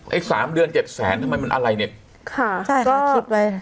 ไอ้สามเดือนเจ็ดแสนทำไมมันอะไรเนี่ยค่ะใช่ก็คิดไว้